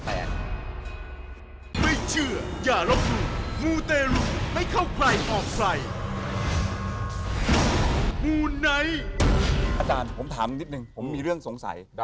ผมถามนิดนึงผมมีเรื่องสงสัย